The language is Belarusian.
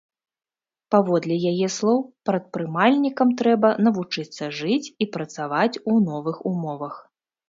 Паводле яе слоў, прадпрымальнікам трэба навучыцца жыць і працаваць у новых умовах.